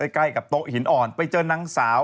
ใกล้กับโต๊ะหินอ่อนไปเจอนางสาว